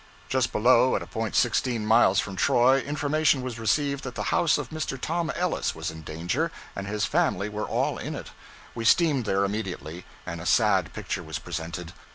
Just below, at a point sixteen miles from Troy, information was received that the house of Mr. Tom Ellis was in danger, and his family were all in it. We steamed there immediately, and a sad picture was presented.